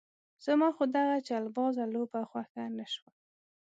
زما خو دغه چلبازه لوبه خوښه نه شوه.